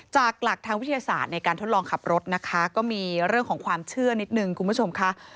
จากหลักทางวิทยาศาสตร์ในการทดลองขับรถนะคะก็มีเรื่องของความเชื่อนิดนึงคุณผู้ชมค่ะ